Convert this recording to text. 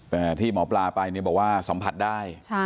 แต่ที่หมอปลาไปบอกว่าสัมผัสได้